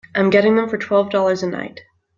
I'm getting them for twelve dollars a night.